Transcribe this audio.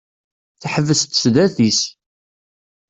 Teḥbes-d sdat-is.